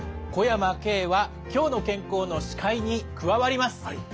小山径は「きょうの健康」の司会に加わります。